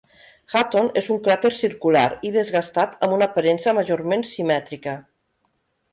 Hutton és un cràter circular i desgastat amb una aparença majorment simètrica.